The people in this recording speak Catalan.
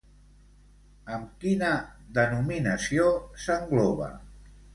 Amb quina denominació s'engloba?